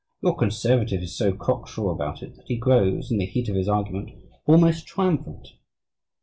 Your "conservative" is so cock sure about it that he grows, in the heat of his argument, almost triumphant.